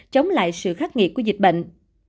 chống lại sự khắc nghiệt của dịch bệnh